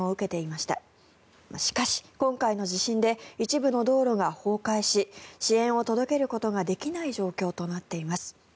しかし今回の地震で一部の道路が崩壊し支援を届けることができない状況となっています。